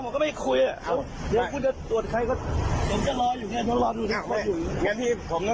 ก็ไม่คุยอ่ะเดี๋ยวผมจะตรวจใครก็ผมจะรออยู่เนี่ยตรวจใครก็ไม่คุย